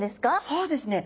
そうですね。